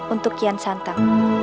untuk kian santan